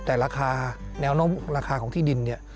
แต่ราคาแนวโน้มราคาของที่ดินเนี่ย